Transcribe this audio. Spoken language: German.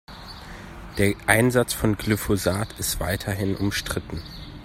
Der Einsatz von Glyphosat ist weiterhin umstritten.